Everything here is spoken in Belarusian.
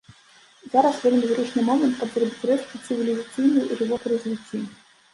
Зараз вельмі зручны момант, каб зрабіць рэзкі цывілізацыйны рывок у развіцці.